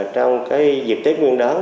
trong cái dịp tết nguyên đón